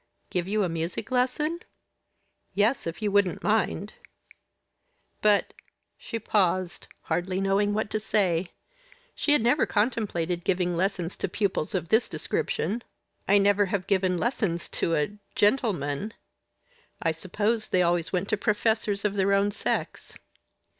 "Give you a music lesson?" "Yes, if you wouldn't mind." "But" she paused, hardly knowing what to say. She had never contemplated giving lessons to pupils of this description. "I never have given lessons to a gentleman. I supposed they always went to professors of their own sex."